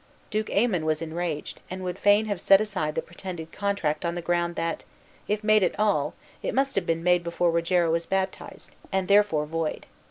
Duke Aymon was enraged, and would fain have set aside the pretended contract on the ground that, if made at all, it must have been made before Rogero was baptized, and therefore void.